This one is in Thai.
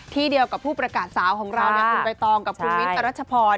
ที่เดียวกับผู้ประกาศสาวของเราอุ้มไปตองกับคุณวิทย์รัชพร